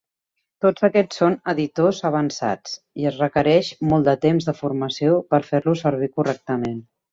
Tots aquests són editors avançats i es requereix molt de temps de formació per fer-los servir correctament.